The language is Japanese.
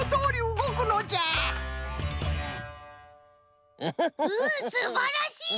うんすばらしい！